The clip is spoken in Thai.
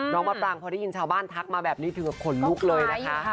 มะปรางพอได้ยินชาวบ้านทักมาแบบนี้ถือว่าขนลุกเลยนะคะ